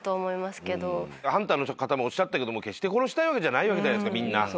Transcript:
ハンターの方もおっしゃってたけど決して殺したいわけじゃないじゃないですかみんな。